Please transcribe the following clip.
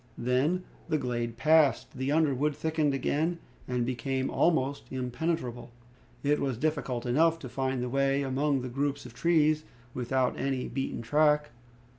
Then, the glade passed, the underwood thickened again, and became almost impenetrable. It was difficult enough to find the way among the groups of trees, without any beaten track.